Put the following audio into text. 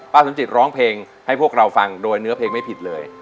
สมจิตร้องเพลงให้พวกเราฟังโดยเนื้อเพลงไม่ผิดเลย